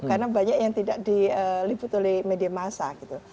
karena banyak yang tidak diliput oleh media masyarakat